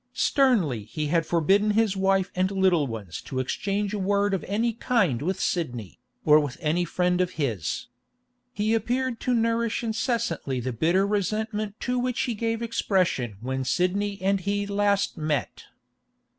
Sternly he had forbidden his wife and the little ones to exchange a word of any kind with Sidney, or with any friend of his. He appeared to nourish incessantly the bitter resentment to which he gave expression when Sidney and he last met.